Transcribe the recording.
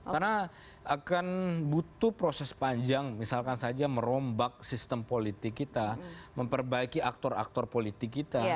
karena akan butuh proses panjang misalkan saja merombak sistem politik kita memperbaiki aktor aktor politik kita